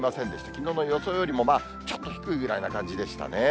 きのうの予想よりもちょっと低いぐらいな感じでしたね。